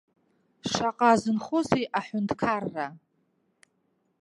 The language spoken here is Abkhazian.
Шаҟа азынхозеи аҳәынҭқарра?